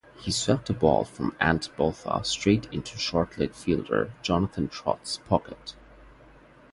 He swept a ball from Ant Botha straight into short-leg fielder Jonathan Trott's pocket.